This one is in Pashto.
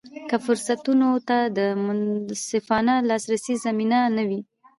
که فرصتونو ته د منصفانه لاسرسي زمینه نه وي.